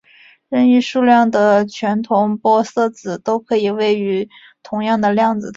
任意数量的全同玻色子都可以处于同样量子态。